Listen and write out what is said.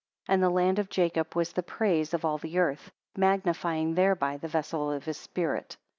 And the land of Jacob was the praise of all the earth; magnifying thereby the vessel of his spirit.